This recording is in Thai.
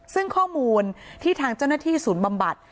ซึ่งข้อมูลที่ทางเจ้าหน้าที่ศูนย์บำบัด